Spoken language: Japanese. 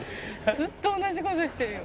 「ずっと同じ事してるよ」